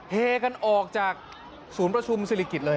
เฮกันออกจากศูนย์ประชุมศิริกิจเลย